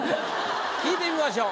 聞いてみましょう。